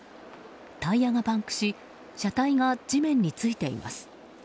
タイヤがパンクし車体が地面についています。